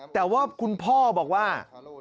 แต่ว่าคุณพ่อบอกว่า